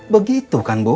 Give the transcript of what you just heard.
begitu kan bu